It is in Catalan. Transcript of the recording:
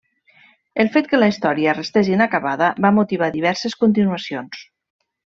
El fet que la història restés inacabada va motivar diverses continuacions.